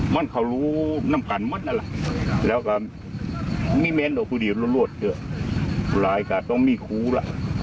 มันเขารู้น้ำกันมันอะแหละแล้วก็ไม่เม้นต่อพูดอยู่รวดเดี๋ยวรายการต้องมีครูละ